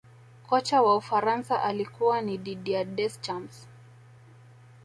kocha wa ufaransa alikuwa ni didier deschamps